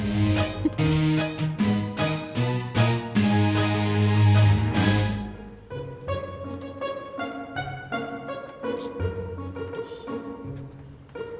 karena jarang sholat